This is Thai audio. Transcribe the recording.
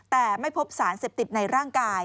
แต่ไม่พบสารเสพติดในร่างกาย